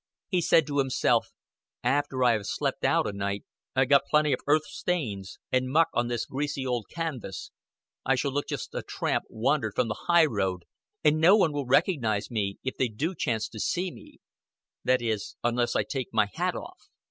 He said to himself, "After I have slept out a night, and got plenty of earth stains and muck on this greasy old canvas, I shall look just a tramp wandered from the highroad, and no one will recognize me if they do chance to see me that is, unless I take my hat off.